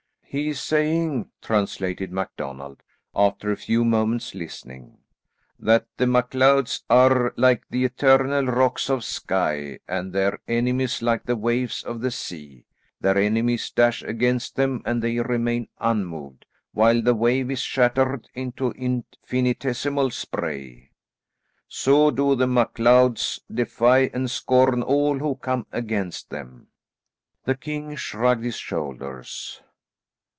"He is saying," translated MacDonald, after a few moments listening, "that the MacLeods are like the eternal rocks of Skye, and their enemies like the waves of the sea. Their enemies dash against them and they remain unmoved, while the wave is shattered into infinitesimal spray. So do the MacLeods defy and scorn all who come against them." The king shrugged his shoulders.